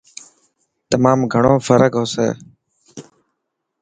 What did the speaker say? تمام گھڻو فرڪ هوسي.